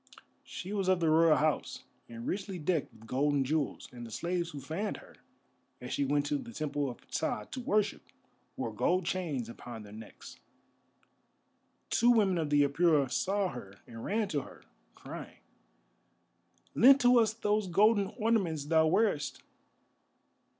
She was of the Royal House, and richly decked with gold and jewels, and the slaves who fanned her, as she went to the Temple of Ptah to worship, wore gold chains upon their necks. Two women of the Apura saw her and ran to her, crying: "Lend to us those golden ornaments thou wearest."